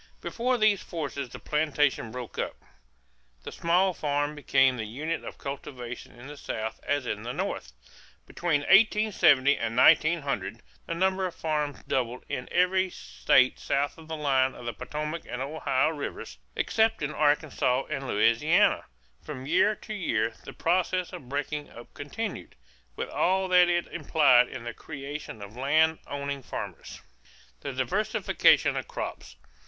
Before these forces the plantation broke up. The small farm became the unit of cultivation in the South as in the North. Between 1870 and 1900 the number of farms doubled in every state south of the line of the Potomac and Ohio rivers, except in Arkansas and Louisiana. From year to year the process of breaking up continued, with all that it implied in the creation of land owning farmers. =The Diversification of Crops.